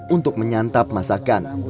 untuk menyantap masakan